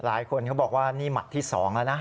เขาบอกว่านี่หมัดที่๒แล้วนะ